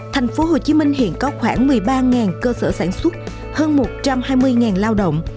thành phố hồ chí minh hiện có khoảng một mươi ba cơ sở sản xuất hơn một trăm hai mươi lao động